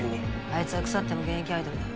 あいつは腐っても現役アイドルだ。